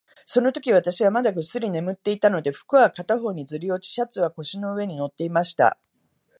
そのとき、私はまだぐっすり眠っていたので、服は片方にずり落ち、シャツは腰の上に載っていました。